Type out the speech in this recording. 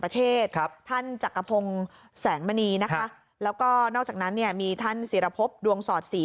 ท่านจักรพงศ์แสงมณีแล้วก็นอกจากนั้นมีท่านสิรพพดวงสอดสี